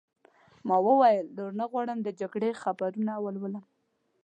ما وویل: نور نه غواړم د جګړې خبرونه ولولم.